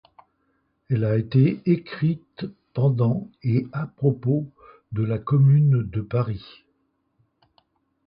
Elle a été écrite pendant et à propos de la Commune de Paris.